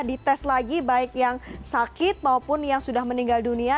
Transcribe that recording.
dites lagi baik yang sakit maupun yang sudah meninggal dunia